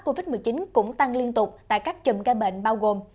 covid một mươi chín cũng tăng liên tục tại các chùm ca bệnh bao gồm